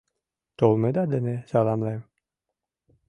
— Толмыда дене саламлем...